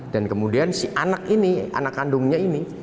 dan kemudian si anak ini anak kandungnya ini